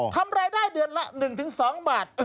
ทำรายได้เดือนละ๑๒บาท